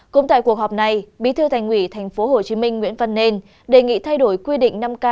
cũng tại cuộc họp này bí thư thành ủy tp hcm nguyễn văn nên đề nghị thay đổi quy định năm k